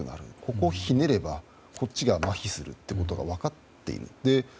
ここをひねればこっちがまひするということが分かっている。